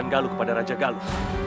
dan berikan galu kepada raja galuh